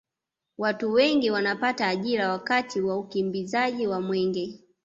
watu wengi wanapata ajira wakati wa ukimbizaji wa mwenge